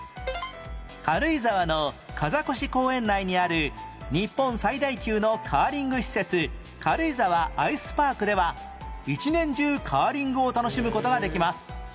軽井沢の風越公園内にある日本最大級のカーリング施設軽井沢アイスパークでは一年中カーリングを楽しむ事ができます